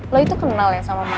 lo itu kenal ya sama lo